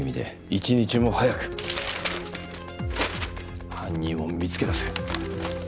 １日も早く犯人を見つけだせ。